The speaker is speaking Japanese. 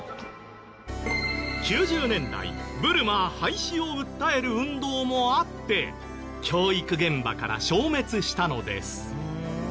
９０年代ブルマー廃止を訴える運動もあって教育現場から消滅したのです。